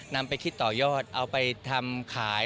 นำไปคิดต่อยอดเอาไปทำขาย